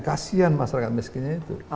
kasian masyarakat miskinnya itu